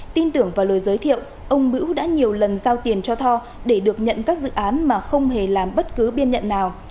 tin tưởng vào lời giới thiệu ông bữu đã nhiều lần giao tiền cho tho để được nhận các dự án mà không hề làm bất cứ biên nhận nào